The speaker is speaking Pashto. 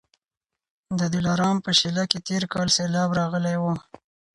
د دلارام په شېله کي تېر کال سېلاب راغلی و